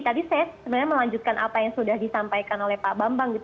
tadi saya sebenarnya melanjutkan apa yang sudah disampaikan oleh pak bambang